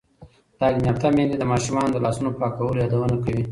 تعلیم یافته میندې د ماشومانو د لاسونو پاکولو یادونه کوي.